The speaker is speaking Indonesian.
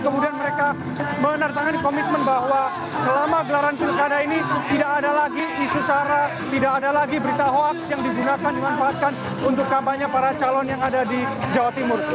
kemudian mereka menandatangani komitmen bahwa selama gelaran pilkada ini tidak ada lagi isu sara tidak ada lagi berita hoaks yang digunakan dimanfaatkan untuk kampanye para calon yang ada di jawa timur